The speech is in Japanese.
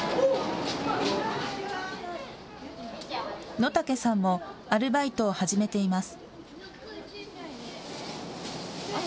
野武さんもアルバイトを始めています。